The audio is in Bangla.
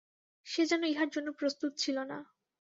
সে যেন ইহার জন্য প্রস্তুত ছিল না।